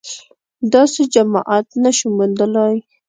داسې جماعت نه شو موندلای